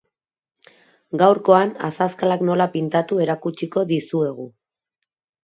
Gaurkoan azazkalak nola pintatu erakutsiko dizuegu.